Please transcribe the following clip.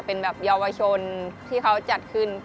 เป็นแบบเยาวชนที่เขาจัดขึ้น